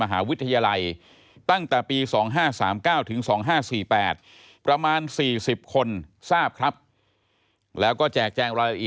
ยาท่าน้ำขาวไทยนครเพราะทุกการเดินทางของคุณจะมีแต่รอยยิ้ม